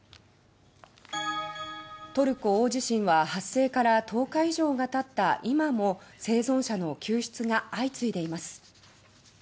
トルコ大地震は発生から１０日以上が経った今も生存者の救出が相次いでいます。